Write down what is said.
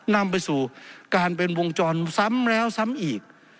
นำไปสู่การเป็นวงจรซ้ำแล้วซ้ำอีก